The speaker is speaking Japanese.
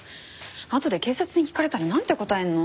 あとで警察に聞かれたらなんて答えるの。